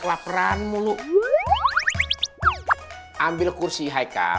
kita pergi terus ya bahkan